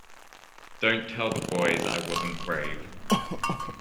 Don't tell the boys I wasn't brave.